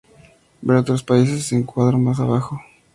Ver otros países en cuadro más abajo.